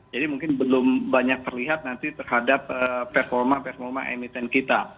jadi mungkin belum banyak terlihat nanti terhadap performa performa emiten kita